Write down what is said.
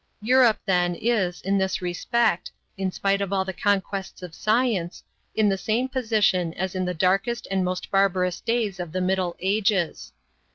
"Europe, then, is, in this respect, in spite of all the conquests of science, in the same position as in the darkest and most barbarous days of the Middle Ages.